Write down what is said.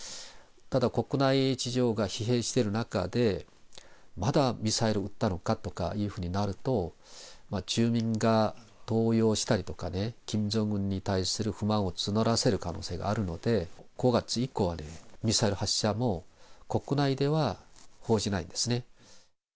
ただ、国内事情が疲弊してる中で、またミサイル打ったのかとかいうふうになると、住民が動揺したりとかね、キム・ジョンウンに対する不満を募らせる可能性があるので、５月以降はミサイル発射も、国内では報じないんですね。